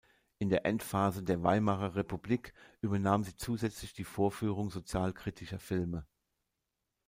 In der Endphase der Weimarer Republik übernahm sie zusätzlich die Vorführung sozialkritischer Filme.